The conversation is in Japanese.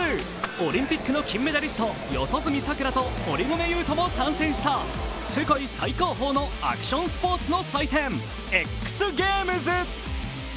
オリンピックの金メダリスト四十住さくらと堀米雄斗も参戦、世界最高峰のアクションスポーツの祭典・ＸＧａｍｅｓ。